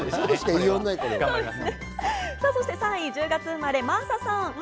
３位１０月生まれ、真麻さん。